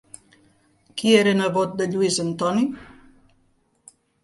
Qui era nebot de Lluís Antoni?